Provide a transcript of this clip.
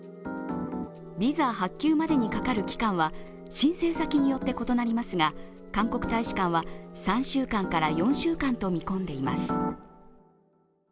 ビザ発給までにかかる期間は申請先によって異なりますが韓国大使館は３週間から４週間と見込んでいます。